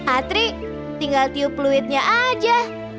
atri tinggal tiup fluidnya aja